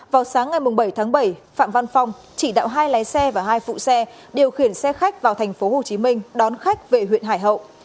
vào sáng ngày bảy tháng bảy phạm văn phong chỉ đạo hai lái xe và hai phụ xe điều khiển xe khách vào tp hcm đón khách về huyện hải hậu